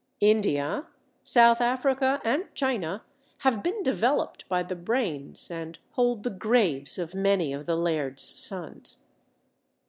India, South Africa, and China have been developed by the brains and hold the graves of many of the laird's sons.